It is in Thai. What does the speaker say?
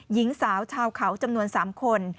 หญิงสาวชาวเขาจำนวน๓คน